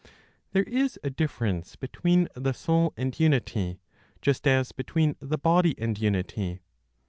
There is a difference between the soul and unity, just as between the body and unity.